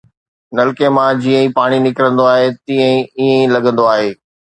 نلڪي مان جيئن ئي پاڻي نڪرندو آهي، تيئن ئي ائين لڳندو آهي